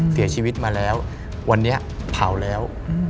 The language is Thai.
เสียชีวิตมาแล้ววันนี้เผาแล้ว